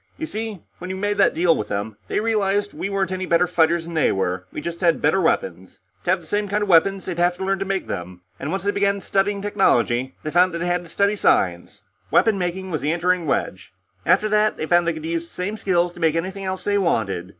You see, when we made that deal with them, they realized that we weren't any better fighters than they were; we just had better weapons. To have the same kind of weapons, they'd have to learn to make them, and once they began studying technology, they found that they had to study science. Weapon making was the entering wedge; after that, they found that they could use the same skills to make anything else they wanted.